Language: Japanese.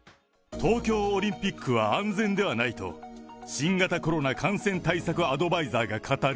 東京オリンピックは安全ではないと、新型コロナ感染対策アドバイザーが語る。